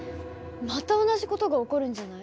また同じ事が起こるんじゃない？